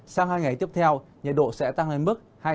sang hai ngày tiếp theo nhiệt độ sẽ tăng lên mức